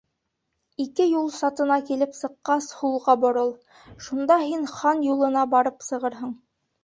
Ике юл сатына килеп сыҡҡас, һулға борол, шунда һин хан юлына барып сығырһың.